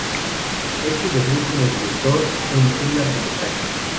Es su debut como director en un largometraje.